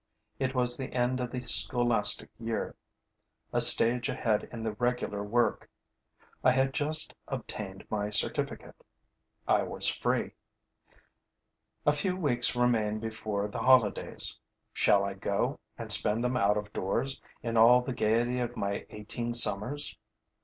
It was the end of the scholastic year. A stage ahead in the regular work, I had just obtained my certificate. I was free. A few weeks remain before the holidays. Shall I go and spend them out of doors, in all the gaiety of my eighteen summers?